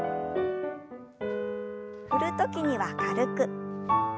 振る時には軽く。